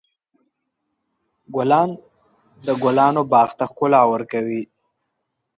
ګلان د ګلانو باغ ته ښکلا ورکوي.